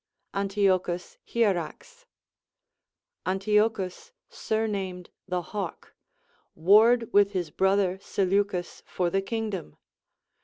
Antiochus Hierax. Antiochus, surnamed the Hawk, warred with his brother Seleucus for the kingdom.